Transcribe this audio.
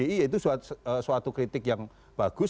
itu suatu kritik yang bagus